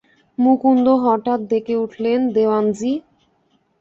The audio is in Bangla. মুকুন্দ হঠাৎ ডেকে উঠলেন, দেওয়ানজি?